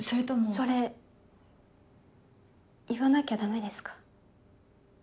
それ言わなきゃダメですか？